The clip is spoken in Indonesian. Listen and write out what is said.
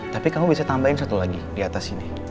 tapi kamu bisa tambahin satu lagi di atas ini